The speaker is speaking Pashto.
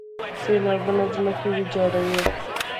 سیلابونه ځمکې ویجاړوي.